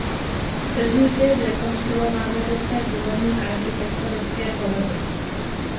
Tržnice je zrekonstruována do své původní architektonické podoby.